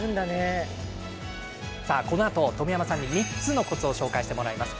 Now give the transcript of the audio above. このあと、冨山さんに３つのコツを紹介してもらいます。